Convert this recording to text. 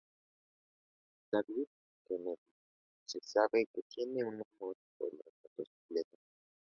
David Kennedy se sabe que tiene un amor por las motocicletas.